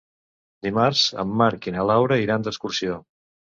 Dimarts en Marc i na Laura iran d'excursió.